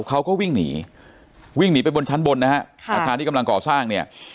เขาก็วิ่งหนีวิ่งหนีไปบนชั้นบนนะฮะอาคารที่กำลังก่อสร้างเนี่ย